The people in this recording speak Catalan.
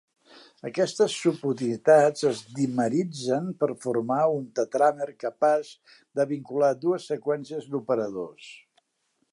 Aquestes subunitats es dimeritzen per formar un tetràmer capaç de vincular dues seqüències d'operadors.